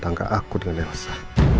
tanggap aku dengan nielsa